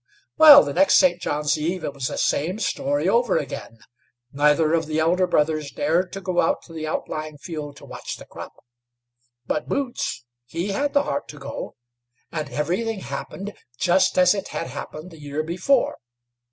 Well, the next St. John's eve it was the same story over again; neither of the elder brothers dared to go out to the outlying field to watch the crop; but Boots, he had the heart to go, and everything happened just as it had happened the year before.